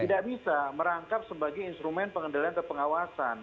tidak bisa merangkap sebagai instrumen pengendalian atau pengawasan